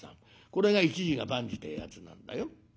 これが一事が万事ってえやつなんだよ。